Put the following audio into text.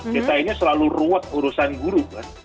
kita ini selalu ruwet urusan guru kan